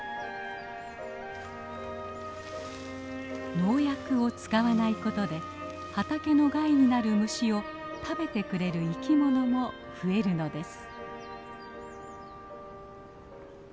農薬を使わないことで畑の害になる虫を食べてくれる生きものも増えるのです。